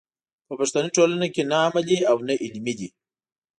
په پښتني ټولنه کې نه عملي او نه علمي دی.